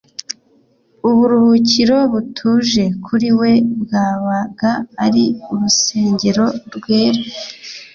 Uburuhukiro butuje kuri we bwabaga ari urusengero rwera.